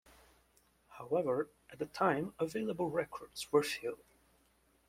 However, at that time available records were few.